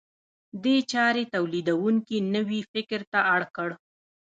دې چارې تولیدونکي نوي فکر ته اړ کړل.